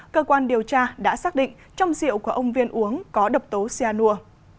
cơ quan điều tra đã xác định trong rượu của ông viên uống có đập tố xe nùa